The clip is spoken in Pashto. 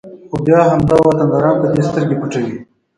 خو بیا همدا وطنداران په دې سترګې پټوي